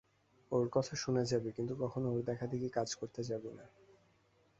ওর কথা শুনে যাবি, কিন্তু কখনও ওর দেখাদেখি কাজ করতে যাবি না।